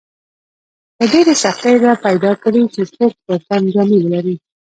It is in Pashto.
په ډېرې سختۍ به پیدا کړې چې څوک پر تن جامې ولري.